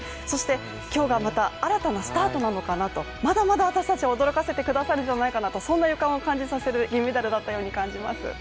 そして今日がまた新たなスタートなのかなと、まだまだ私たちを驚かせてくれるんじゃないかと、そんなことを予感させる銀メダルだったと思います。